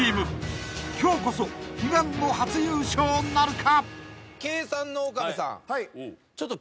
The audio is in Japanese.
［今日こそ悲願の初優勝なるか？］